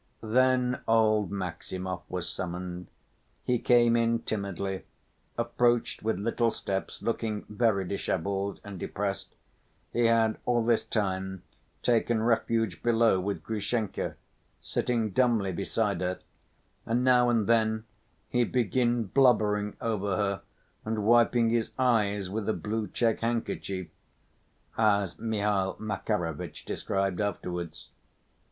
Then old Maximov was summoned. He came in timidly, approached with little steps, looking very disheveled and depressed. He had, all this time, taken refuge below with Grushenka, sitting dumbly beside her, and "now and then he'd begin blubbering over her and wiping his eyes with a blue check handkerchief," as Mihail Makarovitch described afterwards.